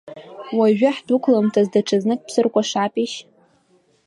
Уажәы ҳдәықәламҭаз даҽазнык бсыркәашапишь!